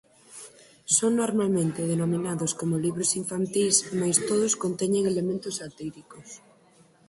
Son normalmente denominados como libros infantís mais todos conteñen elementos satíricos.